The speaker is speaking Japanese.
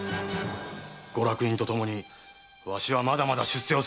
ご落胤とともにわしはまだまだ出世をするのだ。